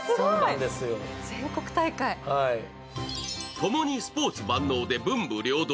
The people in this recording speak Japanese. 共にスポーツ万能で文武両道。